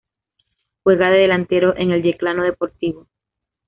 Juega de delantero en el Yeclano Deportivo.